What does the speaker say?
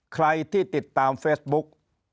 ใครที่ติดตามเฟซบุ๊ก